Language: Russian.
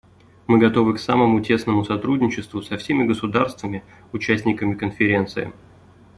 Мы готовы к самому тесному сотрудничеству со всеми государствами − участниками Конференции.